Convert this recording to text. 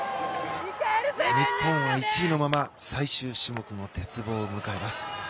日本は１位のまま最終種目の鉄棒を迎えます。